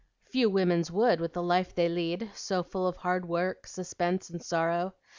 "Few women's would with the life they lead, so full of hard work, suspense, and sorrow.